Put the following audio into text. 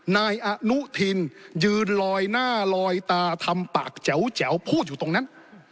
นายอนุทินยืนลอยหน้าลอยตาทำปากแจ๋วพูดอยู่ตรงนั้น